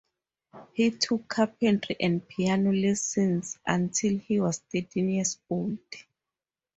He took carpentry and piano lessons until he was thirteen years old.